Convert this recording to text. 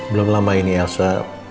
belum lama ini elsa